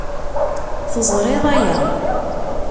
Teẓriḍ aya.